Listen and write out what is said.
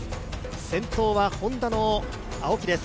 先頭はＨｏｎｄａの青木です。